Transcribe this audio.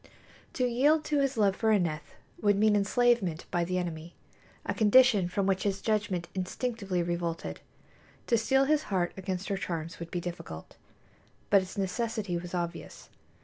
To yield to his love for Aneth would mean enslavement by the enemy, a condition from which his judgment instinctively revolted. To steel his heart against her charms would be difficult, but its necessity was obvious.